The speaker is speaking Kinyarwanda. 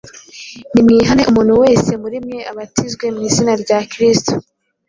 Nimwihane, umuntu wese muri mwe abatizwe mu izina rya Yesu Kristo,